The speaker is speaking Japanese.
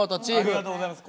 ありがとうございます。